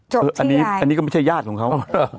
จบที่ยายคืออันนี้ก็ไม่ใช่ญาติของเขา